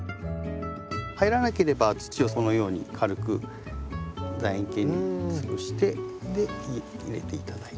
入らなければ土をそのように軽くだ円形に潰して入れて頂いて。